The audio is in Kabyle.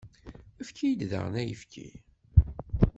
Efk-iyi daɣen ayefki.